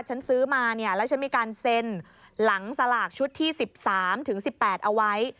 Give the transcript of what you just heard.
ซื้อมาเนี่ยแล้วฉันมีการเซ็นหลังสลากชุดที่๑๓๑๘เอาไว้